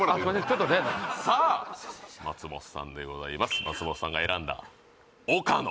ちょっとねさあ松本さんでございます松本さんが選んだ岡野